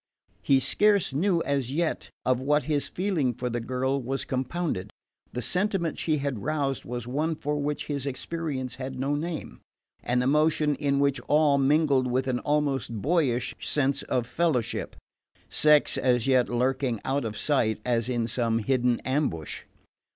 He scarce knew as yet of what his feeling for the girl was compounded. The sentiment she had roused was one for which his experience had no name: an emotion in which awe mingled with an almost boyish sense of fellowship, sex as yet lurking out of sight as in some hidden ambush.